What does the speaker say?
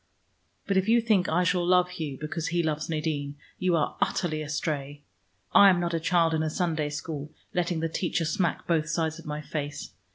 But if you think I shall love Hugh, because he loves Nadine, you are utterly astray. I am not a child in a Sunday school, letting the teacher smack both sides of my face.